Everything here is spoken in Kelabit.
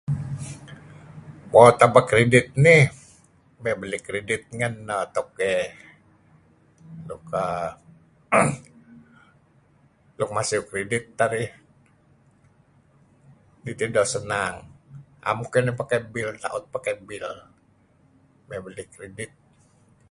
Mo... tambah kridit nih. Mey belih kridit ngen err.. towkey nuk err...luk masiu kridit teh arih. Kidih teh doo' senang. 'Em ukeyh nis pakai bel. Ta'ut ukeyh pakai bil. Mey belih Kredit...